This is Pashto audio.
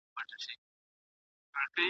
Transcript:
واسطه او واسطه بازي د عدالت دښمنان دي.